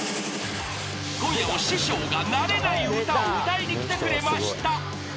［今夜も師匠が慣れない歌を歌いに来てくれました］